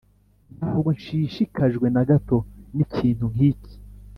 ntabwo nshishikajwe na gato n'ikintu nk'iki.